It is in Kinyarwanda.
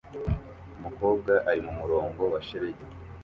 Umukobwa ari mumurongo wa shelegi